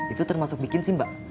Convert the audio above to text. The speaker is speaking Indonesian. itu termasuk bikin sih mbak